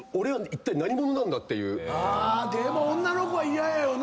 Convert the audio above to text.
でも女の子は嫌やよな。